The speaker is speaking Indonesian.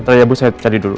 ntar ya bu saya cari dulu